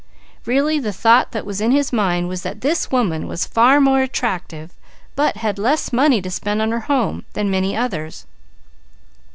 Really the thought that was in his mind was that this woman was far more attractive, but had less money to spend on her home, than many others.